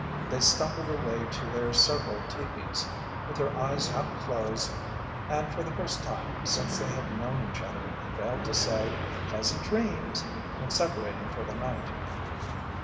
They stumbled away to their several teepees with their eyes half closed and for the first time since they had known each other failed to say "pleasant dreams!" when separating for the night.